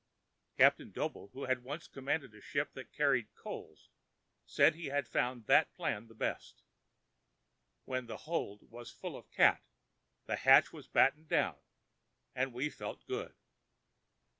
Captain Doble, who had once commanded a ship that carried coals, said he had found that plan the best. When the hold was full of cat the hatch was battened down and we felt good.